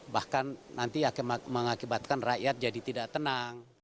bahkan nanti mengakibatkan rakyat jadi tidak tenang